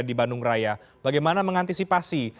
di bandung raya bagaimana mengantisipasi